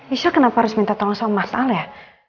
isya kenapa harus minta tanggung soal mas al ya